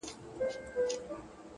د لرې غږونو ګډوالی د ښار ژوند جوړوي!